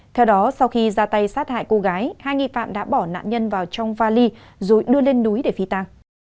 theo đó sau khi ra tay sát hại cô gái hai nghi phạm đã bỏ nạn nhân vào trong vali rồi đưa lên núi để phi tang